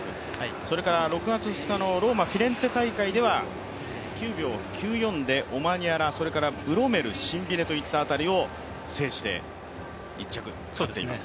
それから６月のローマ・フィレンツェ大会では、９秒９４でオマンヤラ、ブロメル、シンビネといったあたりを制して１着で勝っています。